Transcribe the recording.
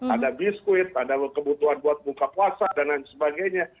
ada biskuit ada kebutuhan buat buka puasa dan lain sebagainya